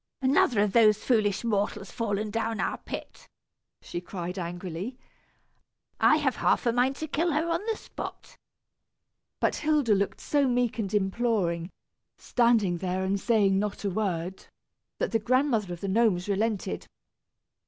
another of those foolish mortals fallen down our pit!" she cried, angrily; "I have half a mind to kill her on the spot." But Hilda looked so meek and imploring, standing there and saying not a word, that the Grandmother of the Gnomes relented.